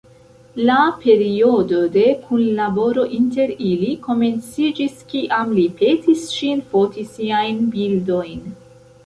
La periodo de kunlaboro inter ili komenciĝis kiam li petis ŝin foti siajn bildojn.